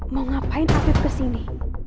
mau ngapain aku ke sini